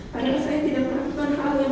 padahal saya tidak melakukan hal yang